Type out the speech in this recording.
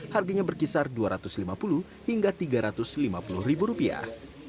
harganya berkisar dua ratus lima puluh hingga tiga ratus lima puluh ribu rupiah